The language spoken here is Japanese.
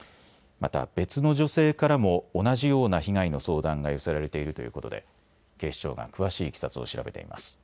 また別の女性からも同じような被害の相談が寄せられているということで警視庁が詳しいいきさつを調べています。